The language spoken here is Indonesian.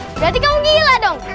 berarti kamu gila dong